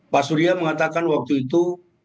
pak surya mengatakan waktu itu